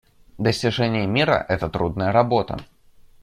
Достижение мира — это трудная работа.